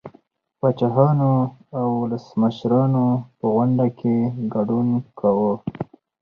پاچاهانو او ولسمشرانو په غونډو کې ګډون کاوه